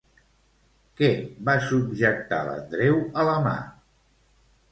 Què va subjectar l'Andreu a la mà?